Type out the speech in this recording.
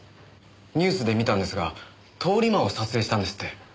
ニュースで見たんですが通り魔を撮影したんですって？